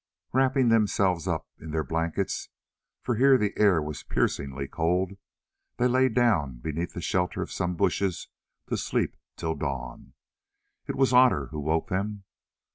Wrapping themselves up in their blankets—for here the air was piercingly cold—they lay down beneath the shelter of some bushes to sleep till dawn. It was Otter who woke them.